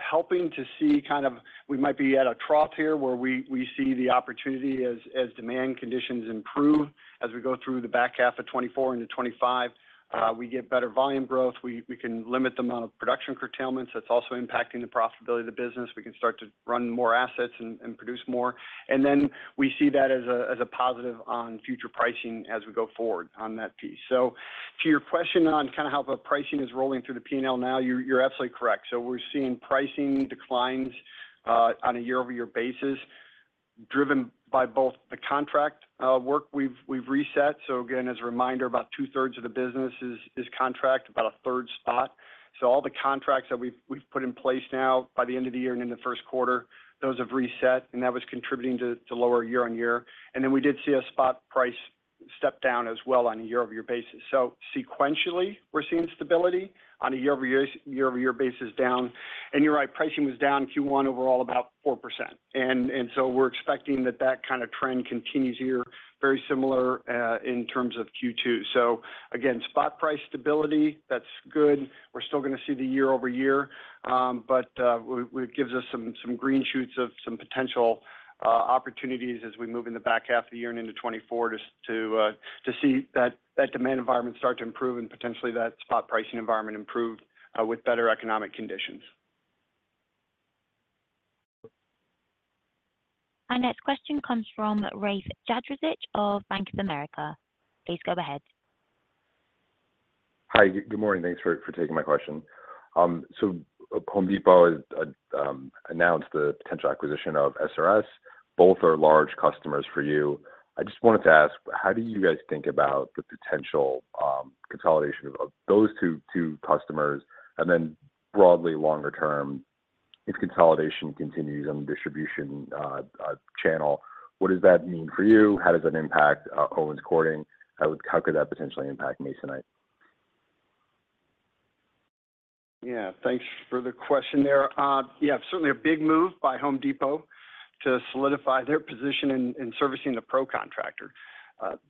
Speaker 3: helping to see kind of we might be at a trough here where we see the opportunity as demand conditions improve. As we go through the back half of 2024 into 2025, we get better volume growth. We can limit the amount of production curtailments that's also impacting the profitability of the business. We can start to run more assets and produce more. And then we see that as a positive on future pricing as we go forward on that piece. So to your question on kind of how the pricing is rolling through the P&L now, you're absolutely correct. So we're seeing pricing declines on a year-over-year basis driven by both the contract work we've reset. So again, as a reminder, about 2/3 of the business is contract, about 1/3 spot. So all the contracts that we've put in place now by the end of the year and in the first quarter, those have reset, and that was contributing to lower year-on-year. And then we did see a spot price step down as well on a year-over-year basis. So sequentially, we're seeing stability on a year-over-year basis down. And you're right, pricing was down Q1 overall about 4%. And so we're expecting that that kind of trend continues here very similar in terms of Q2. So again, spot price stability, that's good. We're still going to see the year-over-year, but it gives us some green shoots of some potential opportunities as we move in the back half of the year and into 2024 to see that demand environment start to improve and potentially that spot pricing environment improve with better economic conditions.
Speaker 1: Our next question comes from Rafe Jadrosich of Bank of America. Please go ahead.
Speaker 13: Hi. Good morning. Thanks for taking my question. So Home Depot announced the potential acquisition of SRS. Both are large customers for you. I just wanted to ask, how do you guys think about the potential consolidation of those two customers? And then broadly, longer term, if consolidation continues on the distribution channel, what does that mean for you? How does that impact Owens Corning? How could that potentially impact Masonite?
Speaker 3: Yeah. Thanks for the question there. Yeah, certainly a big move by Home Depot to solidify their position in servicing the pro contractor.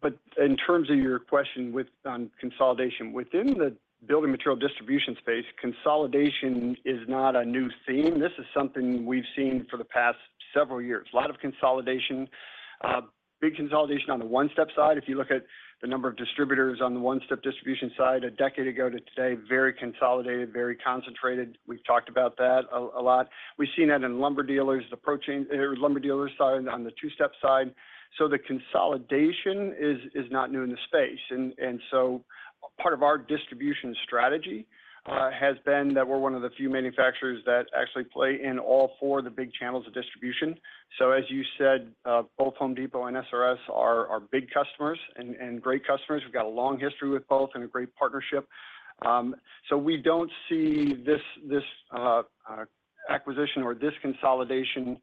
Speaker 3: But in terms of your question on consolidation within the building material distribution space, consolidation is not a new theme. This is something we've seen for the past several years. A lot of consolidation, big consolidation on the one-step side. If you look at the number of distributors on the one-step distribution side a decade ago to today, very consolidated, very concentrated. We've talked about that a lot. We've seen that in lumber dealers, the lumber dealers on the two-step side. So the consolidation is not new in the space. And so part of our distribution strategy has been that we're one of the few manufacturers that actually play in all four of the big channels of distribution. So as you said, both Home Depot and SRS are big customers and great customers. We've got a long history with both and a great partnership. So we don't see this acquisition or this consolidation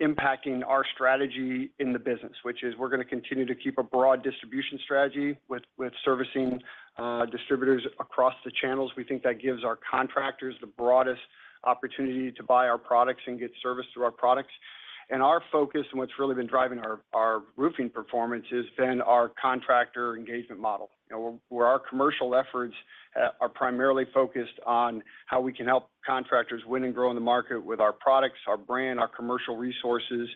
Speaker 3: impacting our strategy in the business, which is we're going to continue to keep a broad distribution strategy with servicing distributors across the channels. We think that gives our contractors the broadest opportunity to buy our products and get service through our products. And our focus and what's really been driving our roofing performance has been our contractor engagement model. Where our commercial efforts are primarily focused on how we can help contractors win and grow in the market with our products, our brand, our commercial resources.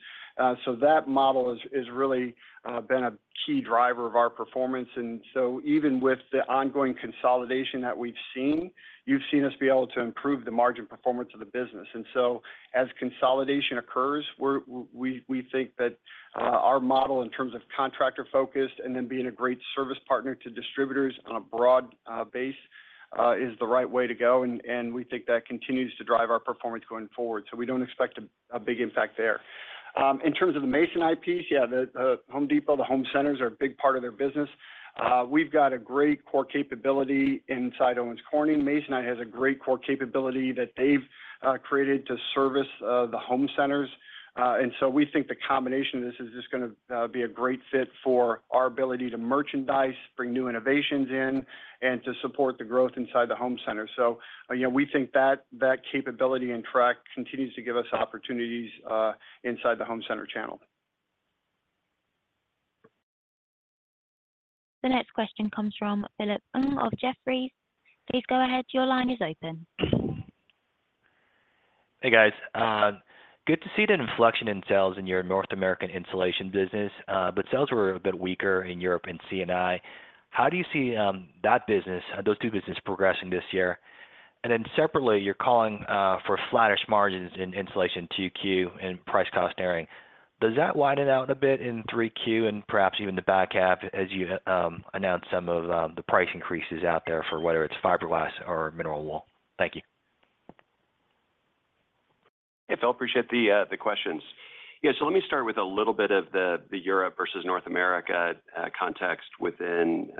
Speaker 3: So that model has really been a key driver of our performance. Even with the ongoing consolidation that we've seen, you've seen us be able to improve the margin performance of the business. As consolidation occurs, we think that our model in terms of contractor-focused and then being a great service partner to distributors on a broad base is the right way to go. We think that continues to drive our performance going forward. We don't expect a big impact there. In terms of the Masonite piece, yeah, the Home Depot, the home centers are a big part of their business. We've got a great core capability inside Owens Corning. Masonite has a great core capability that they've created to service the home centers. And so we think the combination of this is just going to be a great fit for our ability to merchandise, bring new innovations in, and to support the growth inside the home center. So we think that capability and track continues to give us opportunities inside the home center channel.
Speaker 1: The next question comes from Philip Ng of Jefferies. Please go ahead. Your line is open.
Speaker 14: Hey, guys. Good to see an inflection in sales in your North American insulation business, but sales were a bit weaker in Europe and C&I. How do you see that business, those two businesses, progressing this year? And then separately, you're calling for flatter margins in insulation 2Q and price cost narrowing. Does that widen out a bit in 3Q and perhaps even the back half as you announce some of the price increases out there for whether it's fiberglass or mineral wool? Thank you.
Speaker 4: Yep. I'll appreciate the questions. Yeah. So let me start with a little bit of the Europe versus North America context within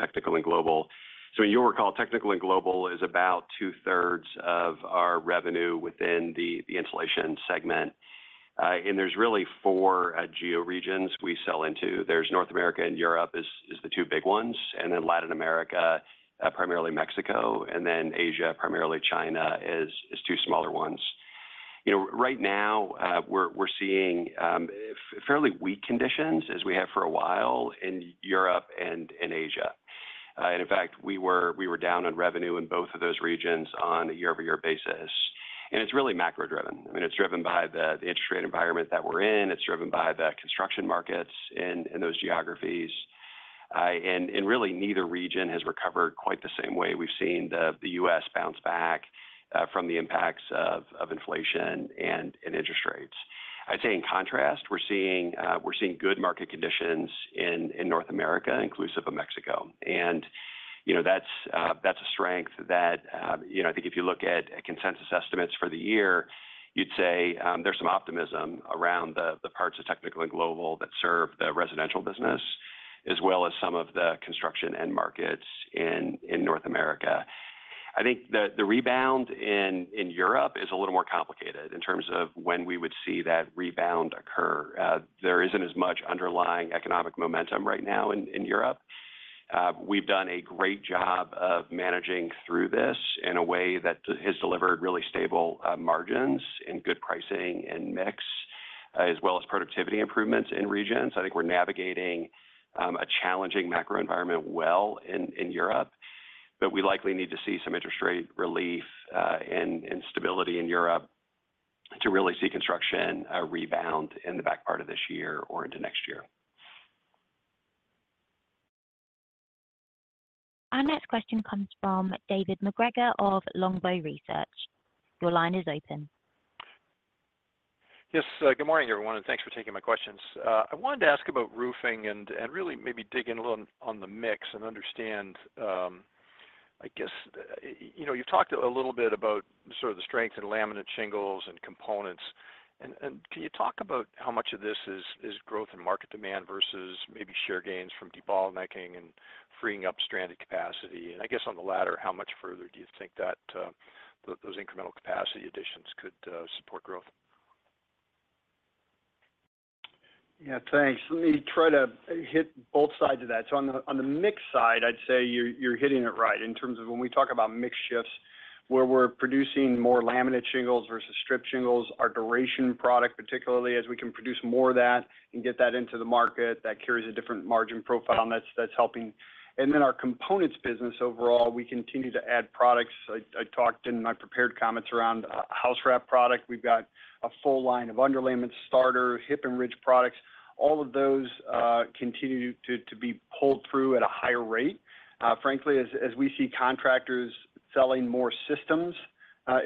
Speaker 4: Technical and Global. So you'll recall Technical and Global is about 2/3 of our revenue within the insulation segment. And there's really four georegions we sell into. There's North America and Europe is the two big ones, and then Latin America, primarily Mexico, and then Asia, primarily China is two smaller ones. Right now, we're seeing fairly weak conditions as we have for a while in Europe and Asia. And in fact, we were down on revenue in both of those regions on a year-over-year basis. And it's really macro-driven. I mean, it's driven by the interest rate environment that we're in. It's driven by the construction markets in those geographies. And really, neither region has recovered quite the same way. We've seen the U.S. bounce back from the impacts of inflation and interest rates. I'd say in contrast, we're seeing good market conditions in North America, inclusive of Mexico. That's a strength that I think if you look at consensus estimates for the year, you'd say there's some optimism around the parts of Technical and Global that serve the residential business as well as some of the construction end markets in North America. I think the rebound in Europe is a little more complicated in terms of when we would see that rebound occur. There isn't as much underlying economic momentum right now in Europe. We've done a great job of managing through this in a way that has delivered really stable margins and good pricing and mix as well as productivity improvements in regions. I think we're navigating a challenging macro environment well in Europe. But we likely need to see some interest rate relief and stability in Europe to really see construction rebound in the back part of this year or into next year.
Speaker 1: Our next question comes from David MacGregor of Longbow Research. Your line is open.
Speaker 15: Yes. Good morning, everyone, and thanks for taking my questions. I wanted to ask about roofing and really maybe dig in a little on the mix and understand, I guess you've talked a little bit about sort of the strengths in laminate shingles and components. And can you talk about how much of this is growth in market demand versus maybe share gains from de-bottlenecking and freeing up stranded capacity? And I guess on the latter, how much further do you think that those incremental capacity additions could support growth?
Speaker 3: Yeah. Thanks. Let me try to hit both sides of that. So on the mix side, I'd say you're hitting it right in terms of when we talk about mix shifts, where we're producing more laminate shingles versus strip shingles, our Duration product, particularly as we can produce more of that and get that into the market, that carries a different margin profile that's helping. And then our components business overall, we continue to add products. I talked in my prepared comments around house wrap product. We've got a full line of underlayment starter, hip and ridge products. All of those continue to be pulled through at a higher rate, frankly, as we see contractors selling more systems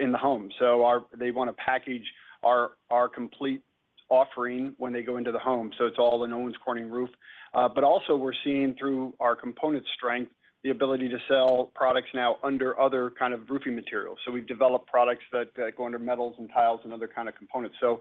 Speaker 3: in the home. So they want to package our complete offering when they go into the home. So it's all an Owens Corning roof. But also we're seeing through our component strength, the ability to sell products now under other kind of roofing materials. So we've developed products that go under metals and tiles and other kind of components. So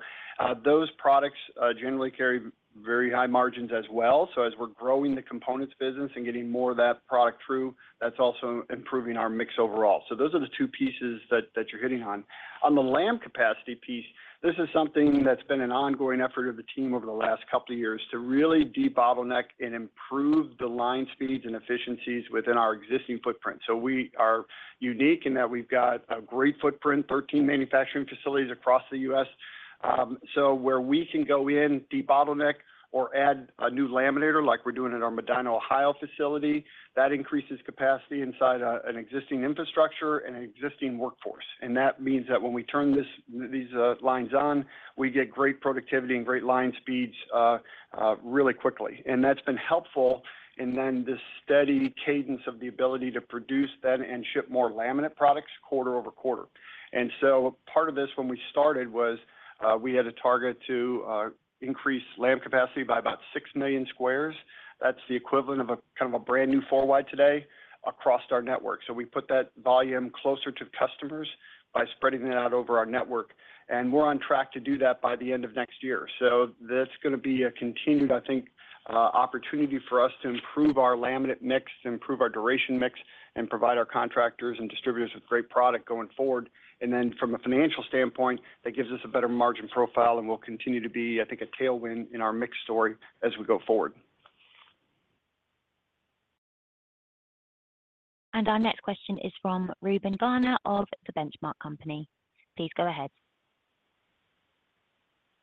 Speaker 3: those products generally carry very high margins as well. So as we're growing the components business and getting more of that product through, that's also improving our mix overall. So those are the two pieces that you're hitting on. On the lam capacity piece, this is something that's been an ongoing effort of the team over the last couple of years to really debottleneck and improve the line speeds and efficiencies within our existing footprint. So we are unique in that we've got a great footprint, 13 manufacturing facilities across the U.S. So where we can go in, debottleneck, or add a new laminator like we're doing at our Medina, Ohio facility, that increases capacity inside an existing infrastructure and an existing workforce. And that means that when we turn these lines on, we get great productivity and great line speeds really quickly. And that's been helpful. And then the steady cadence of the ability to produce then and ship more laminate products quarter over quarter. And so part of this when we started was we had a target to increase lam capacity by about 6 million squares. That's the equivalent of kind of a brand new four-wide today across our network. So we put that volume closer to customers by spreading it out over our network. And we're on track to do that by the end of next year. So that's going to be a continued, I think, opportunity for us to improve our laminate mix, improve our Duration mix, and provide our contractors and distributors with great product going forward. And then from a financial standpoint, that gives us a better margin profile and will continue to be, I think, a tailwind in our mix story as we go forward.
Speaker 1: Our next question is from Reuben Garner of The Benchmark Company. Please go ahead.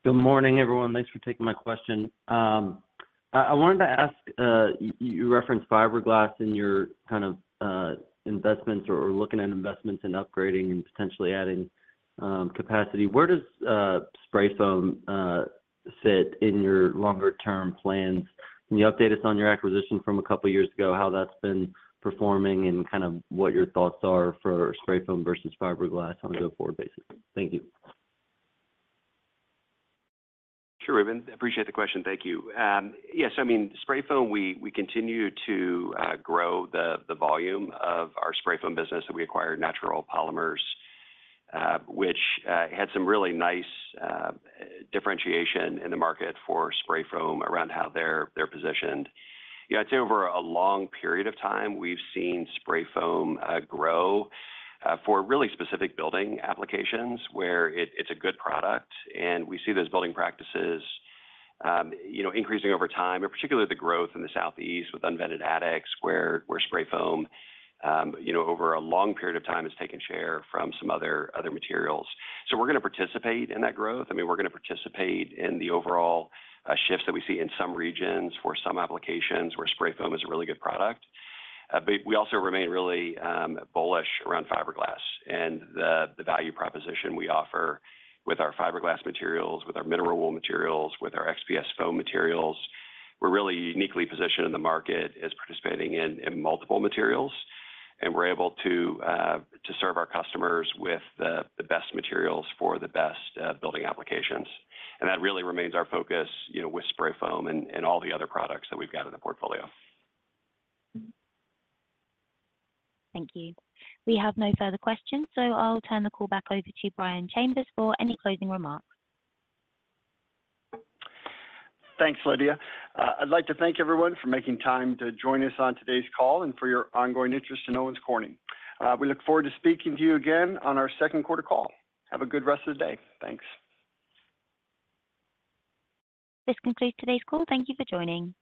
Speaker 16: Good morning, everyone. Thanks for taking my question. I wanted to ask, you referenced fiberglass in your kind of investments or looking at investments and upgrading and potentially adding capacity. Where does spray foam sit in your longer-term plans? Can you update us on your acquisition from a couple of years ago, how that's been performing, and kind of what your thoughts are for spray foam versus fiberglass on a go-forward basis? Thank you.
Speaker 4: Sure, Reuben. Appreciate the question. Thank you. Yes. I mean, spray foam, we continue to grow the volume of our spray foam business that we acquired Natural Polymers, which had some really nice differentiation in the market for spray foam around how they're positioned. I'd say over a long period of time, we've seen spray foam grow for really specific building applications where it's a good product. And we see those building practices increasing over time, and particularly the growth in the Southeast with unvented attics where spray foam over a long period of time has taken share from some other materials. So we're going to participate in that growth. I mean, we're going to participate in the overall shifts that we see in some regions for some applications where spray foam is a really good product. But we also remain really bullish around fiberglass and the value proposition we offer with our fiberglass materials, with our mineral wool materials, with our XPS foam materials. We're really uniquely positioned in the market as participating in multiple materials. And we're able to serve our customers with the best materials for the best building applications. And that really remains our focus with spray foam and all the other products that we've got in the portfolio.
Speaker 1: Thank you. We have no further questions. So I'll turn the call back over to Brian Chambers for any closing remarks.
Speaker 3: Thanks, Lydia. I'd like to thank everyone for making time to join us on today's call and for your ongoing interest in Owens Corning. We look forward to speaking to you again on our second quarter call. Have a good rest of the day. Thanks.
Speaker 1: This concludes today's call. Thank you for joining.